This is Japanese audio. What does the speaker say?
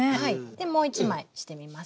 もう一枚してみますね。